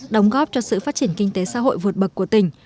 đóng góp cho sự phát triển kinh tế xã hội vượt bậc của tỉnh